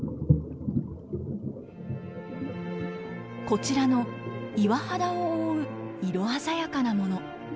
こちらの岩肌を覆う色鮮やかなもの。